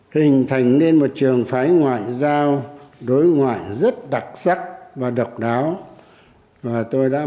hình thành nên một trường phái ngoại giao đối ngoại rất đặc sắc và độc đáo